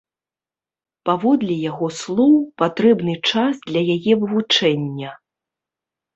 Паводле яго слоў, патрэбны час для яе вывучэння.